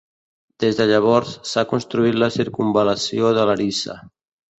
Des de llavors, s'ha construït la circumval·lació de Larissa.